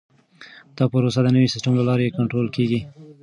دا پروسه د نوي سیسټم له لارې کنټرول کیږي.